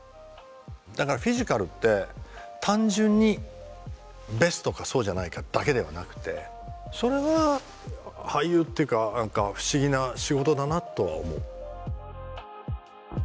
だからフィジカルって単純にベストかそうじゃないかだけではなくてそれは俳優っていうか何か不思議な仕事だなとは思う。